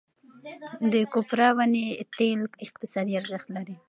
د کوپره ونې تېل اقتصادي ارزښت لري.